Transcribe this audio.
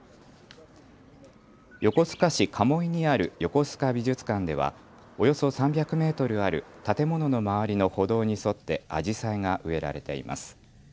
横須賀市鴨居にある横須賀美術館ではおよそ３００メートルある建物の周りの歩道に沿ってアジサイが植えられています。